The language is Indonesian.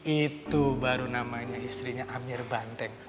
itu baru namanya istrinya amir banteng